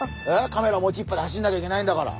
カメラ持ちっぱで走んなきゃいけないんだから。